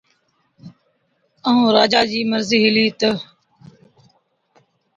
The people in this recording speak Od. ائُون راجا چِي مرضِي هِلِي تہ،